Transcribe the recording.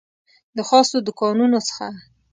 د خاصو دوکانونو څخه